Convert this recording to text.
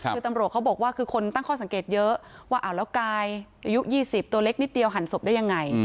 คือตำรวจเขาบอกว่าคือคนตั้งข้อสังเกตเยอะว่าอ้าวแล้วกายอายุ๒๐ตัวเล็กนิดเดียวหั่นศพได้ยังไง